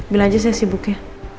bilang aja saya sibuk ya